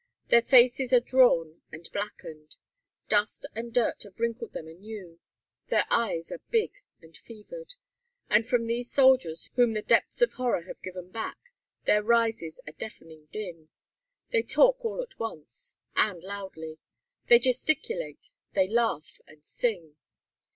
Their faces are drawn and blackened; dust and dirt have wrinkled them anew; their eyes are big and fevered. And from these soldiers whom the depths of horror have given back there rises a deafening din. They talk all at once, and loudly; they gesticulate, they laugh and sing.